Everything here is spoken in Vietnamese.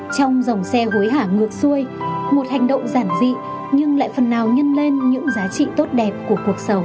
trong dòng xe hối hả ngược xuôi một hành động giản dị nhưng lại phần nào nhân lên những giá trị tốt đẹp của cuộc sống